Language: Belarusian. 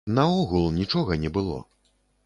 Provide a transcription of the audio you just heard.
Наогул, нічога не было.